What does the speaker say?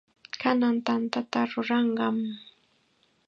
Kanan tantata ruranqam.